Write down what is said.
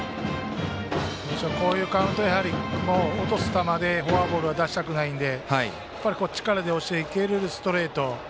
こういうカウントは落とす球でフォアボールを出したくないので力で押していけるストレート。